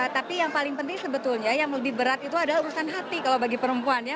tapi yang paling penting sebetulnya yang lebih berat itu adalah urusan hati kalau bagi perempuan ya